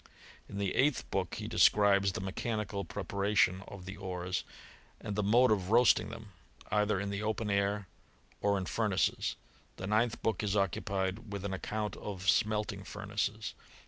In the eighth book he describes the mechanical pre paration of the ores, and the mode of roasting them, either in the open air or in furnaces. The ninth book is occupied with an account of smelting furnaces.